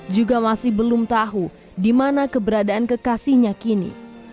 juga masih belum tahu di mana keberadaan kekasihnya kini